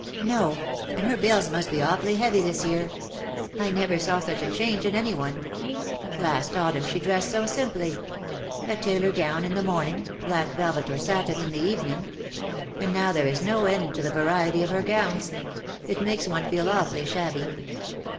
'' No. And her bills must be awfully heavy this year. I never saw such a change in any one. Last autumn she dressed so simply. A tailor gown in the morning — black velvet or satin in the evening. And now there is no end to the variety of her gowns. It makes one feel awfully shabby."